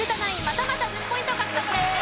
またまた１０ポイント獲得です。